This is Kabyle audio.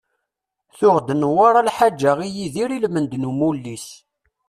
Tuɣ-d Newwara lḥaǧa i Yidir ilmend n umulli-s.